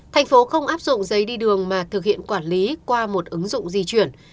thành phố không áp dụng giấy đi đường mà thực hiện quản lý qua một ứng dụng di chuyển